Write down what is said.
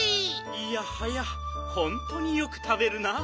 いやはやほんとによくたべるなあ。